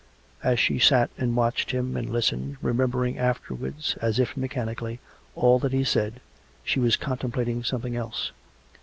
As she sat and watched him and listened, remembering afterwards, as if mechanically, all that he said, she was con templating something else.